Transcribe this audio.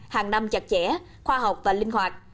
hàng năm chặt chẽ khoa học và linh hoạt